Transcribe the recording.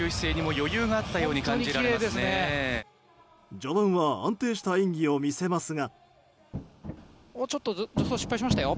序盤は安定した演技を見せますが。